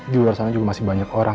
di luar sana juga masih banyak orang